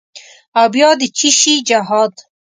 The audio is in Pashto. او بیا د چیشي جهاد؟